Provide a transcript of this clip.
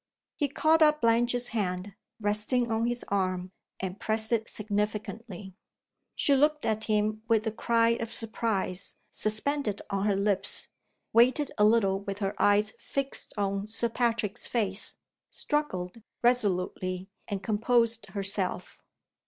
He caught up Blanche's hand, resting on his arm, and pressed it significantly. She looked at him with the cry of surprise suspended on her lips waited a little with her eyes fixed on Fir Patrick's face struggled resolutely, and composed herself.